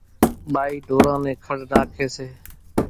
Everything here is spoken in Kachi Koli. ٻائِي ڍوران نين کڙ ناکيَ سي۔